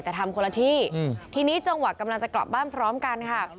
แต่ทำคนละที่ทีนี้จังหวะกำลังจะกลับบ้านพร้อมกันค่ะ